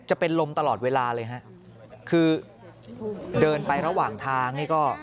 จะเป็นลมตลอดเวลาเลยฮะคือเดินไประหว่างทางนี่ก็